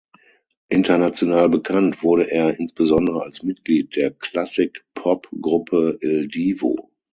International bekannt wurde er insbesondere als Mitglied der Klassik-Pop-Gruppe Il Divo.